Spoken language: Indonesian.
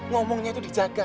ngomongnya itu dijaga